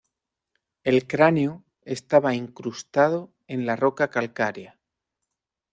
El cráneo estaba incrustado en la roca calcárea.